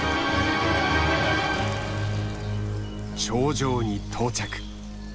頂上に到着。